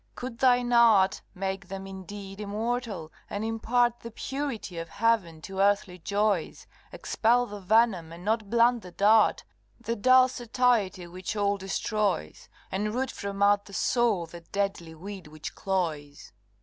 could thine art Make them indeed immortal, and impart The purity of heaven to earthly joys, Expel the venom and not blunt the dart The dull satiety which all destroys And root from out the soul the deadly weed which cloys?